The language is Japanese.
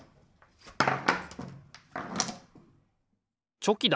チョキだ！